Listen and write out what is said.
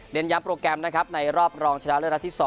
เล่นย้ำโปรแกรมนะครับในรอบรองชนะเลือกละที่๒